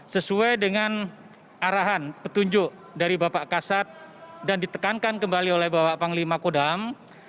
sesuai dengan arahan petunjuk dari bapak kasat dan ditekankan kembali oleh bapak panglima kodam